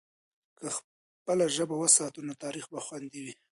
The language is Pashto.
که خپله ژبه وساتو، نو تاریخ به خوندي وي.